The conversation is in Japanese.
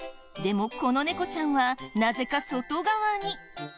でもこの猫ちゃんはなぜか外側に。